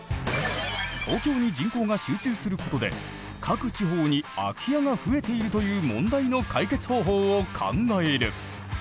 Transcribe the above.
東京に人口が集中することで各地方に空き家が増えているという問題の解決方法を考える。